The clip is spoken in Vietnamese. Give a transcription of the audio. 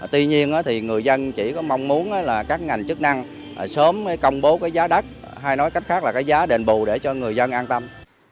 tuy nhiên thì người dân chỉ có mong muốn là các ngành chức năng sớm công bố cái giá đất hay nói cách khác là cái giá đền bù để cho người dân an tâm